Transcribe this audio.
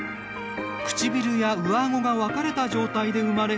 唇や上あごが分かれた状態で生まれ